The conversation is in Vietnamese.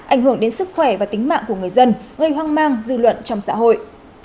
ảnh hưởng đến sức khỏe và tính mạng của người dân gây hoang mang dư luận trong xã hội